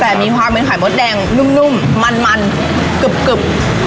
แต่มีความเหมือนไข่มดแดงนุ่มมันกึบ